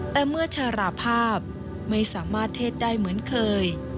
แต่เมื่อชาราภาพไม่สามารถเทศได้เหมือนเคย